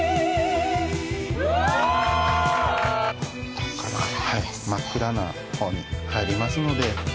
ここから真っ暗な方に入りますので。